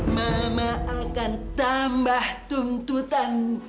mama akan tambah tuntutan